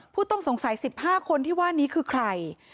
ผู้ต้องสงสัย๑๕คนที่ว่านี้คือใคร